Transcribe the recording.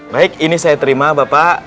baik ini saya terima bapak